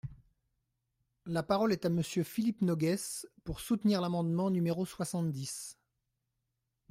La parole est à Monsieur Philippe Noguès, pour soutenir l’amendement numéro soixante-dix.